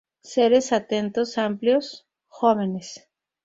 Seres Atentos, amplios, jóvenes.